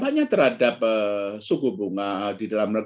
pasukan tamp interventions misal pemanfaatan secara boneka